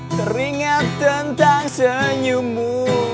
teringat tentang senyummu